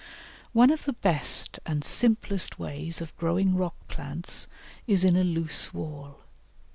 One of the best and simplest ways of growing rock plants is in a loose wall.